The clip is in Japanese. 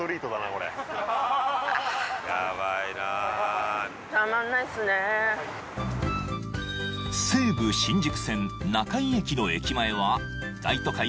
これ西武新宿線中井駅の駅前は大都会